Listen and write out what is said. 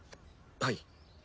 はい。